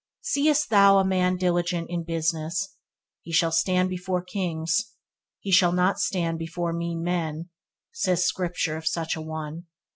"Seest thou a man diligent in business; he shall stand before kings, he shall not stand before mean men," says Scripture of such a one.